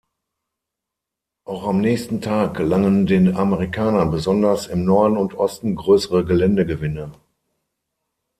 Auch am nächsten Tag gelangen den Amerikanern besonders im Norden und Osten größere Geländegewinne.